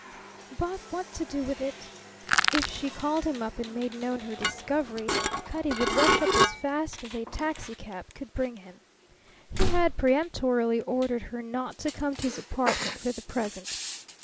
But what to do with it? If she called him up and made known her discovery, Cutty would rush up as fast as a taxicab could bring him. He had peremptorily ordered her not to come to his apartment for the present.